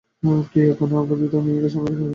তুই একা আমাদের দুইটা মেয়েকে সামলাতে পারবি না।